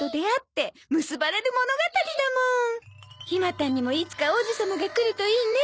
ひまたんにもいつか王子様が来るといいね。